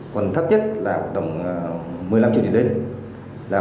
còn thấp nhất là tầm một mươi năm triệu trở lên